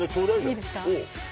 いいですか？